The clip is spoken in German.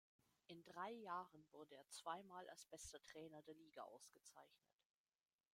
In drei Jahren wurde er zwei Mal als bester Trainer der Liga ausgezeichnet.